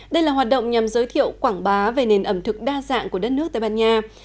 đây là hoạt động nhằm giới thiệu quảng bá về nền ẩm thực đa dạng của đất nước tây ban nha